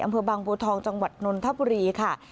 อำเภอบางบัวทองจังหวัดนนทบุรีค่ะ